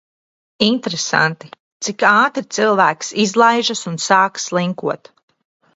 Interesanti, cik ātri cilvēks izlaižas un sāk slinkot.